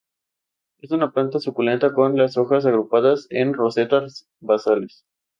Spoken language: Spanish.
Es una planta suculenta con las hojas agrupadas en rosetas basales.